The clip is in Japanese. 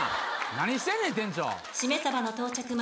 何してんねん店長！